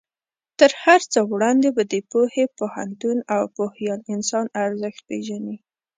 تر هر څه وړاندې به د پوهې، پوهنتون او پوهیال انسان ارزښت پېژنې.